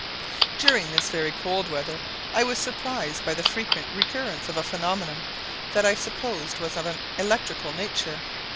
During this very cold weather I was surprised by the frequent recurrence of a phenomenon that I suppose was of an electrical nature.